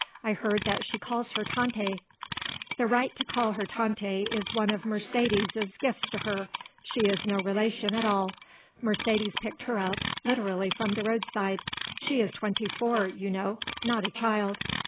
I hear that she calls her Tante." "The right to call her Tante is one of Mercedes's gifts to her. She is no relation at all. Mercedes picked her up, literally from the roadside. She is twenty four, you know; not a child."